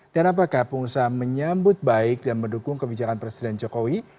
dan apakah pengusaha menyambut baik dan mendukung kebijakan presiden jokowi